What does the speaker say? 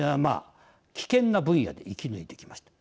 危険な分野で生き抜いてきました。